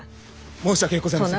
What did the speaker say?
申し訳ございません！